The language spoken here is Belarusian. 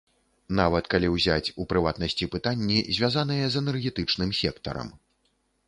Нават калі ўзяць, у прыватнасці, пытанні, звязаныя з энергетычным сектарам.